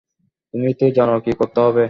তুমি তো জান কি করতে হবে।